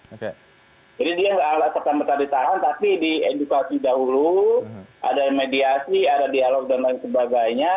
jadi dia tidak akan tetap ditahan tapi di edukasi dahulu ada mediasi ada dialog dan lain sebagainya